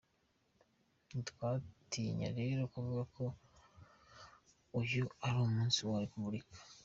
Ntitwatinya rero kuvuga ko uyu ari n’umunsi wa Repubulika.